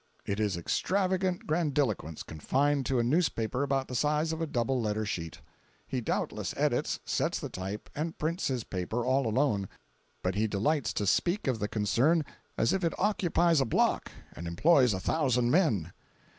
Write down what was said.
It is extravagant grandiloquence confined to a newspaper about the size of a double letter sheet. He doubtless edits, sets the type, and prints his paper, all alone; but he delights to speak of the concern as if it occupies a block and employs a thousand men.